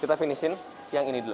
kita finish in yang ini dulu